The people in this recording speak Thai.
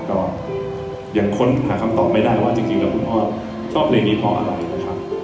ก็ยังค้นหาคำตอบไม่ได้ว่าจริงแล้วคุณพ่อชอบเพลงนี้เพราะอะไรนะครับ